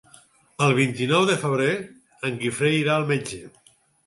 El vint-i-nou de febrer en Guifré irà al metge.